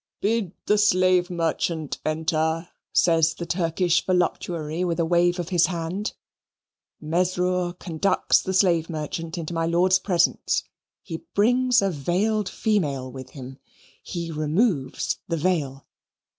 "Bid the slave merchant enter," says the Turkish voluptuary with a wave of his hand. Mesrour conducts the slave merchant into my lord's presence; he brings a veiled female with him. He removes the veil.